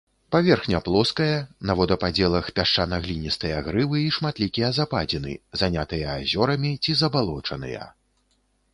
Паверхня плоская, на водападзелах пясчана-гліністыя грывы і шматлікія западзіны, занятыя азёрамі ці забалочаныя.